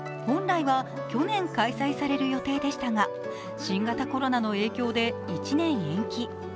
本来は、去年開催される予定でしたが新型コロナの影響で１年延期。